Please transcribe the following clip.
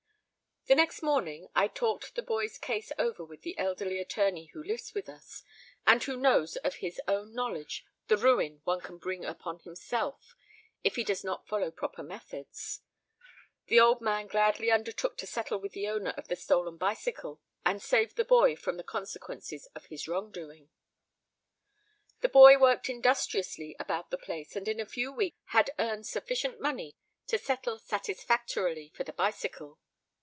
The next morning I talked the boy's case over with an elderly attorney who lives with us, and who knows of his own knowledge the ruin one can bring upon himself if he does not follow proper methods. The old man gladly undertook to settle with the owner of the stolen bicycle, and save the boy from the consequences of his wrongdoing. The boy worked industriously about the place and in a few weeks had earned sufficient money to settle satisfactorily for the bicycle.